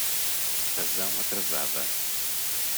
Razão atrasada